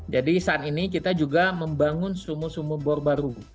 jadi saat ini kita juga membangun sumu sumu bor baru